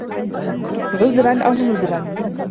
عُذرًا أَو نُذرًا